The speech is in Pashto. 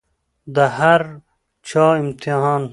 د هر چا امتحان